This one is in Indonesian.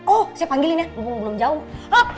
oh saya panggilin ya unique belom jauh ulu